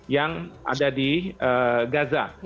yang ada di gaza